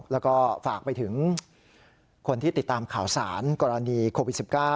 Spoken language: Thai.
แล้วก็ฝากไปถึงคนที่ติดตามข่าวสารกรณีโควิด๑๙